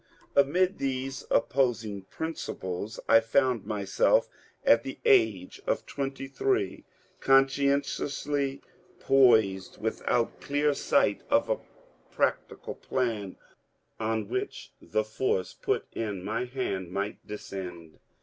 Amid these opposing 224 MONCURE DANIEL CONWAY principles I found myself, at the age of twenty three, consci entiously poised, without clear sight of a practical plan on which the force put in my hand might descend.